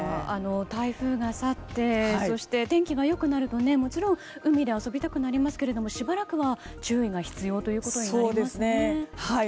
台風が去って天気が良くなるともちろん海で遊びたくなりますけどもしばらくは注意が必要ということになりますね。